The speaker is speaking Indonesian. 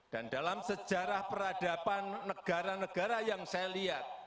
dan dalam sejarah peradaban negara negara yang saya lihat